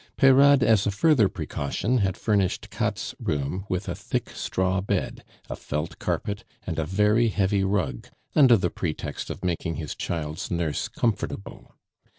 Peyrade, as a further precaution, had furnished Katt's room with a thick straw bed, a felt carpet, and a very heavy rug, under the pretext of making his child's nurse comfortable.